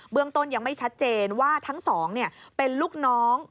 เรื่องต้นยังไม่ชัดเจนว่าทั้งสองเป็นลูกน้อง